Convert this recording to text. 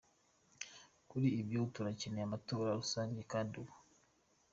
"Kuri ivyo turakeneye amatora rusangi kandi ubu.